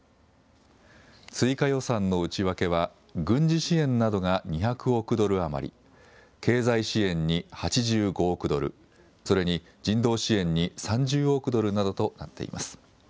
追加予算の内訳は軍事支援などが２００億ドル余り、経済支援に８５億ドル、それに人道支援に３０億ドルなどとなっています。